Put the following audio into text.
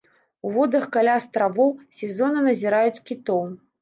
У водах каля астравоў сезонна назіраюць кітоў.